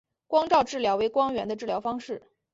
光照治疗为光源的治疗方式。